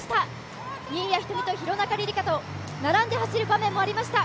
新谷仁美と廣中璃梨佳と並んで走る場面もありました。